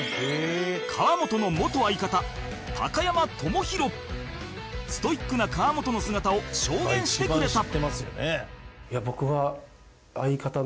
河本のストイックな河本の姿を証言してくれた